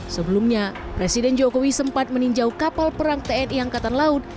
sebelumnya presiden jokowi sempat meninjau kapal perang tni angkatan laut